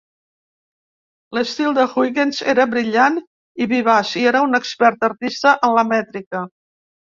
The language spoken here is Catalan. L'estil de Huygens era brillant i vivaç i era un expert artista en la mètrica.